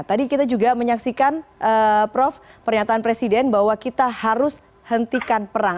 tadi kita juga menyaksikan prof pernyataan presiden bahwa kita harus hentikan perang